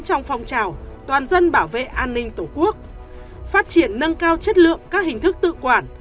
trong phong trào toàn dân bảo vệ an ninh tổ quốc phát triển nâng cao chất lượng các hình thức tự quản